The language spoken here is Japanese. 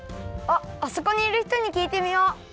あそこにいるひとにきいてみよう。